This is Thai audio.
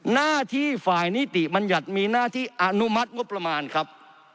หน้าที่ฝ่ายนิติบัญญัติมีหน้าที่อนุมัติงบประมาณครับ